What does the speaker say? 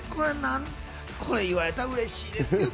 これ言われたら嬉しいですよ。